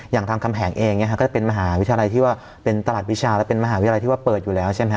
อย่างรามคำแหงเองก็เป็นเมหาวิทยาลัยที่เปิดได้